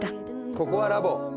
ここはラボ。